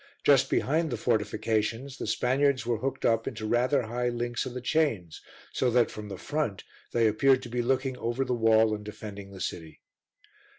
Just behind the fortifications the Spaniards were hooked up into rather high links of the chains, so that, from the front, they appeared to be looking over the wall and defending the city.